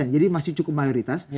jadi masih cukup mayoritas